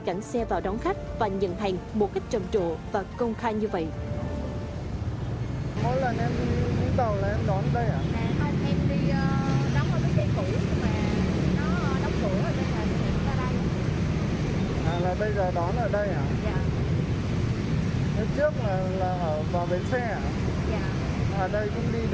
cảnh xe vào đóng khách và nhận hàng một cách trầm trộn và công khai như vậy